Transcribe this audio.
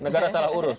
negara salah urus